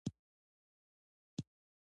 په مقاله کې باید رسمي توري وکارول شي.